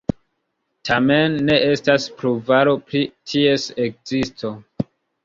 Tamen, ne estas pruvaro pri ties ekzisto.